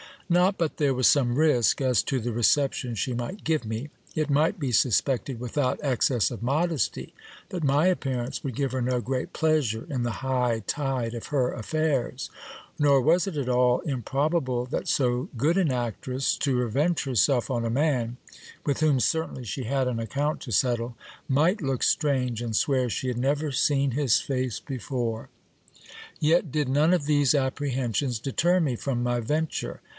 Not but there was some risk as to the reception she might give me : it might be suspected, with out excess of modesty, that my appearance would give her no great pleasure in the high tide of her affairs ; nor was it at all improbable that so good an actress, to revenge herself on a man, with whom certainly she had an account to settle, might look strange, and swear she had never seen his face before. Yet did none of these apprehensions deter me from my venture.